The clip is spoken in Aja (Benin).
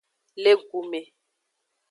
Le gu me.